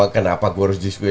kenapa saya harus diskusi